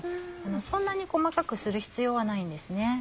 そんなに細かくする必要はないんですね。